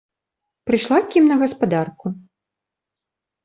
Прыйшла к ім на гаспадарку.